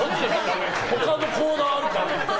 他のコーナーあるから！